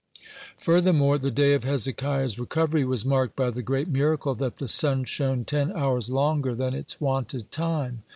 (80) Furthermore, the day of Hezekiah's recovery was marked by the great miracle that the sun shone ten hours longer than its wonted time.